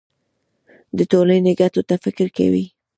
د ټولنې ګټو ته فکر کوي.